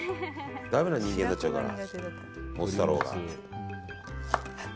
だめな人間になっちゃうから。